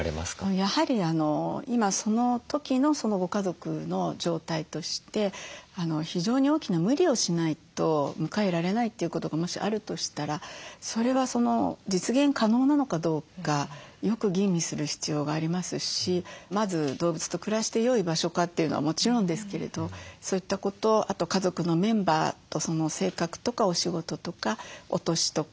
やはり今その時のご家族の状態として非常に大きな無理をしないと迎えられないということがもしあるとしたらそれは実現可能なのかどうかよく吟味する必要がありますしまず動物と暮らしてよい場所かというのはもちろんですけれどそういったことあと家族のメンバーとその性格とかお仕事とかお年とか。